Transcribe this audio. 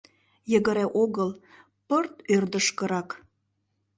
Йыгыре огыл, пырт ӧрдыжкырак.